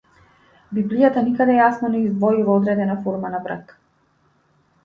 Библијата никаде јасно не издвојува одредена форма на брак.